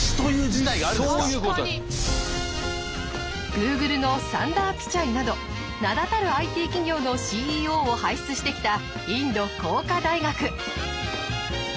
Ｇｏｏｇｌｅのサンダー・ピチャイなど名だたるＩＴ企業のＣＥＯを輩出してきたインド工科大学。